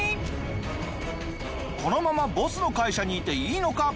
このままボスの会社にいていいのか？